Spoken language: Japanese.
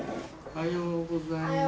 おはようございます。